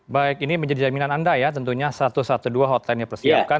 baik ini menjadi jaminan anda ya tentunya satu ratus dua belas hotline dipersiapkan